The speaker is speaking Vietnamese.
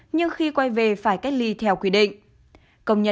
nhưng khi quay về phải cách ly theo quy định